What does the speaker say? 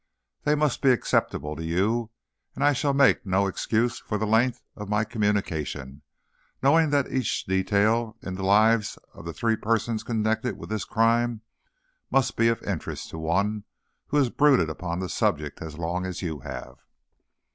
They must be acceptable to you, and I shall make no excuse for the length of my communication, knowing that each detail in the lives of the three persons connected with this crime must be of interest to one who has brooded upon the subject as long as you have.